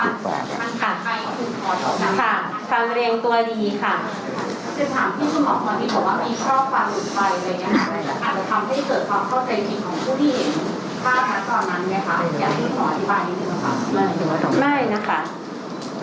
แต่อาจจะทำให้เกิดความเข้าใจจริงของผู้ที่เห็นภาพศาสตร์ตอนนั้นไงค่ะ